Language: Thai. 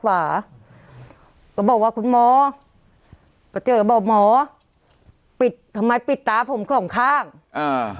ขวาก็บอกว่าคุณหมอไปเจอบอกหมอปิดทำไมปิดตาผมสองข้างอ่า